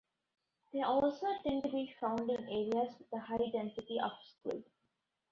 They also tend to be found in areas with a high density of squid.